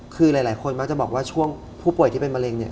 คือหลายคนมักจะบอกว่าช่วงผู้ป่วยที่เป็นมะเร็งเนี่ย